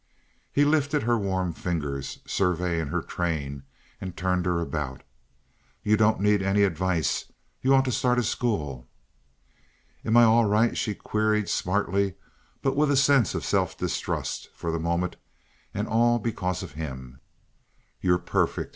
He lifted her warm fingers, surveying her train, and turned her about. "You don't need any advice. You ought to start a school." "Am I all right?" she queried, smartly, but with a sense of self distrust for the moment, and all because of him. "You're perfect.